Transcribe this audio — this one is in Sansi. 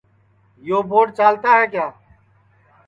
یو بوڈ چالتا ہے کیا